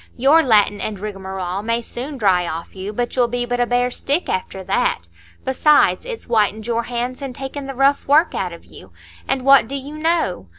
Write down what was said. Your Latin and rigmarole may soon dry off you, but you'll be but a bare stick after that. Besides, it's whitened your hands and taken the rough work out of you. And what do you know?